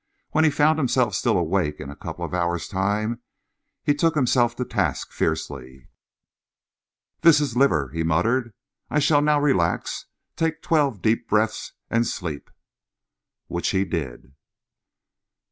When he found himself still awake in a couple of hours' time, he took himself to task fiercely. "This is liver," he muttered. "I shall now relax, take twelve deep breaths, and sleep." Which he did.